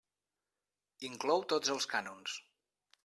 Inclou tots els cànons.